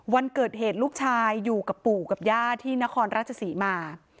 วันเกิดเหตุลูกชายอยู่กับปู่กับย่าที่นครราชศรีมา